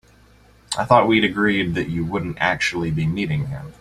I thought we'd agreed that you wouldn't actually be meeting him?